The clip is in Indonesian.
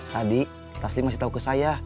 tadi taslim masih tahu ke saya